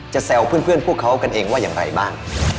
แซวเพื่อนพวกเขากันเองว่าอย่างไรบ้าง